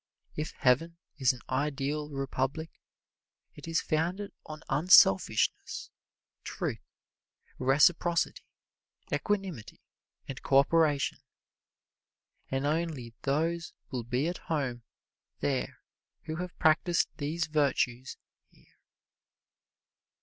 If heaven is an Ideal Republic it is founded on unselfishness, truth, reciprocity, equanimity and co operation, and only those will be at home there who have practised these virtues here.